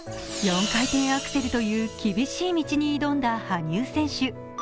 ４回転アクセルという厳しい道に挑んだ羽生選手。